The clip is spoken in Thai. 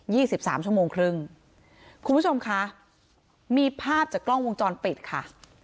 สิบสามชั่วโมงครึ่งคุณผู้ชมค่ะมีภาพจากกล้องวงจรปิดค่ะ